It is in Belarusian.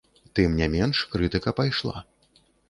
Тым не менш, крытыка пайшла.